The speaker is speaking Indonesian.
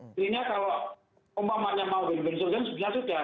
sebenarnya kalau umpamanya mau win win sebenarnya sudah